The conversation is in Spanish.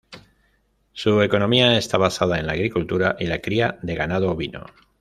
Su economía está basada en la agricultura y la cría de ganado ovino.